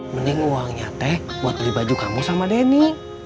mending uangnya teh buat beli baju kamu sama denny